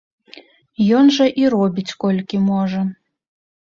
Ён жа і робіць колькі можа.